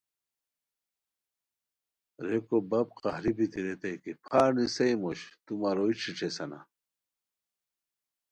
ریکو بپ قہری بیتی ریتائے کی پھار نیسئے موش! تو مہ روئے ݯیݯھیسانا؟